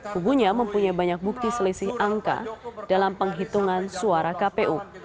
kubunya mempunyai banyak bukti selisih angka dalam penghitungan suara kpu